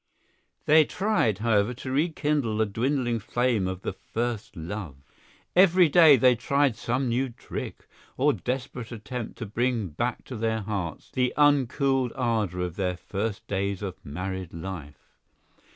They tried, however, to rekindle the dwindling flame of the first love. Every day they tried some new trick or desperate attempt to bring back to their hearts the uncooled ardor of their first days of married life.